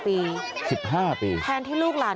กลับไปลองกลับ